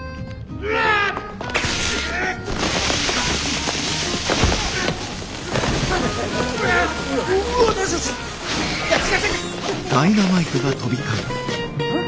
うわっ！